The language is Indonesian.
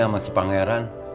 sama si pangeran